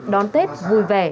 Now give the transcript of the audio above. đón tết vui vẻ